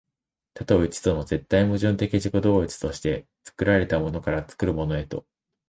多と一との絶対矛盾的自己同一として、作られたものから作るものへと、